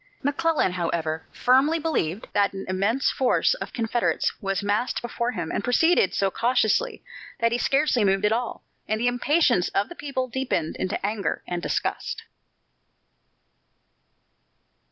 McClellan, however, firmly believed that an immense force of Confederates was massed before him and proceeded so cautiously that he scarcely moved at all, and the impatience of the people deepened into anger and disgust.